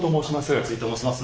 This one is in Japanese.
松井と申します。